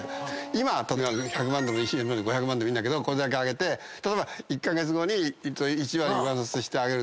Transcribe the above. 今例えば１００万でもいいし５００万でもいいんだけどこれだけあげて１カ月後に１割上乗せしてあげる。